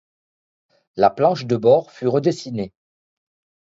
La planche de bord fut redessinée.